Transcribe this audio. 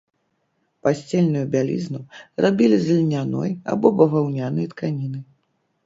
Пасцельную бялізну рабілі з льняной або баваўнянай тканіны.